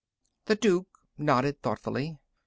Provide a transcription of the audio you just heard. _" The Duke nodded thoughtfully.